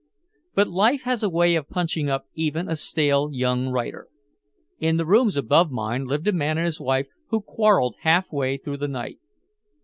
But life has a way of punching up even a stale young writer. In the rooms above mine lived a man and wife who quarreled half way through the night.